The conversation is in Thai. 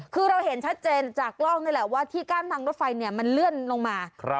คือเราเห็นชัดเจนจากกล้องนี่แหละว่าที่กั้นทางรถไฟมันเลื่อนลงมา